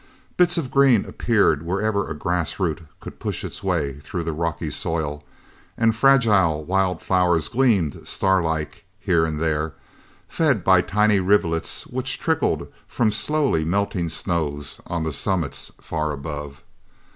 Bits of green appeared wherever a grass root could push its way through the rocky soil, and fragile wild flowers gleamed, starlike, here and there, fed by tiny rivulets which trickled from slowly melting snows on the summits far above.